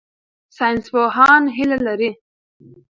ساینسپوهان هیله لري.